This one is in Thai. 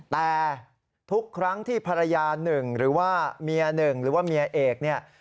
แต่ทุกครั้งที่ภรรยาหนึ่งหรือว่าเมียหนึ่งหรือว่าเมียเอกเนี่ย